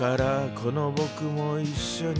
この僕も一緒に